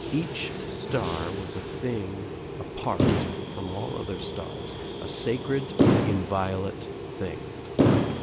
Each star was a thing apart from all other stars, a sacred inviolate thing.